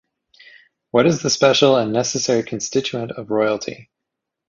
What is the special and necessary constituent of royalty?